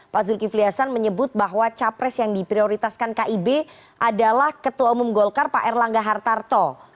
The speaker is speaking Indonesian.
pak zulkifli hasan menyebut bahwa capres yang diprioritaskan kib adalah ketua umum golkar pak erlangga hartarto